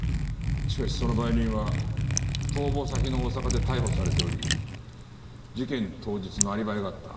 しかしその売人は逃亡先の大阪で逮捕されており事件当日のアリバイがあった。